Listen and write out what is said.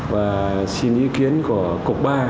và xin ý kiến của cục ba